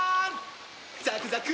ザクザク！